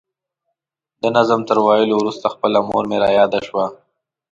د نظم تر ویلو وروسته خپله مور مې را یاده شوه.